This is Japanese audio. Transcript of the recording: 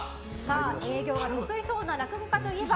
営業が得意そうな落語家といえば？